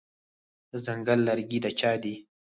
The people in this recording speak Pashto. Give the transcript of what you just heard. د ځنګل لرګي د چا دي؟